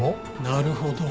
なるほど。